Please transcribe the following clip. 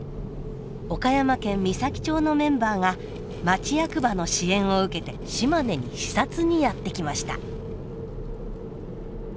岡山県美咲町のメンバーが町役場の支援を受けて島根に視察にやって来ました。